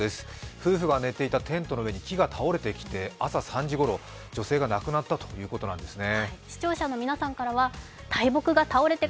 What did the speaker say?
夫婦が寝ていたテントの上に木が倒れてきて朝３時ごろ、女性が亡くなったということなんですね。